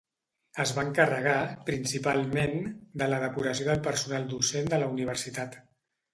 Es va encarregar, principalment, de la depuració del personal docent de la universitat.